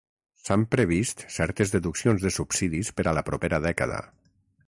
S'han previst certes deduccions de subsidis per a la propera dècada.